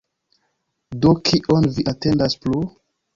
Do, kion vi atendas plu?